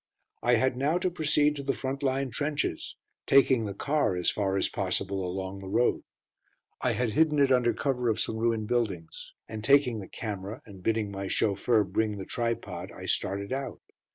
I had now to proceed to the front line trenches, taking the car, as far as possible, along the road. I had hidden it under cover of some ruined buildings, and taking the camera, and bidding my chauffeur bring the tripod, I started out.